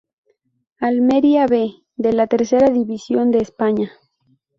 Almería "B" de la Tercera División de España.